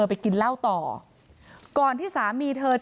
นายพิรายุนั่งอยู่ติดกันแบบนี้นะคะ